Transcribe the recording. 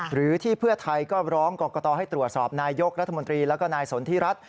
หรือที่เพื่อไทยก็ร้องกรกตให้ตรวจสอบนายกรัฐมนตรีแล้วก็นายสนทิรัฐ